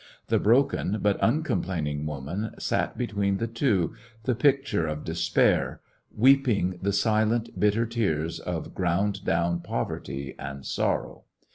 The broken but uncomplain ing woman sat between the two, the picture of despair, weeping the sitentj bitter tears of ground down poverty and sorrow.